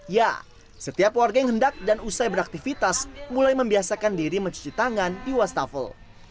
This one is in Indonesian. ya setiap warga yang hendak dan usai beraktivitas mulai membiasakan diri mencuci tangan di wastafel